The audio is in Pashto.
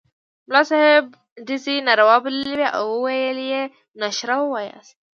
ملا صاحب ډزې ناروا بللې وې او ویل یې نشره ووایاست.